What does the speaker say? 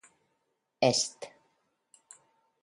Est